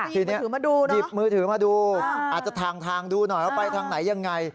ทีนี้หยิบมือถือมาดูอาจจะทางทางดูหน่อยว่าไปทางไหนยังไง